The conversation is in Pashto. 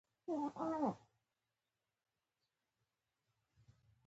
زما پلار د کتاب د لوستلو عادت لري.